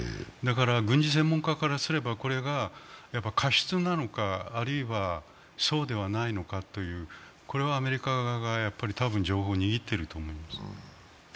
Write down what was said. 軍事専門家からすれば、これが過失なのか、そうではないのか、アメリカ側が多分情報を握っていると思います。